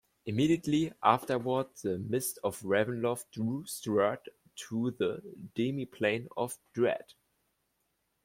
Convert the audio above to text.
Immediately afterward, the Mists of Ravenloft drew Strahd to the Demiplane of Dread.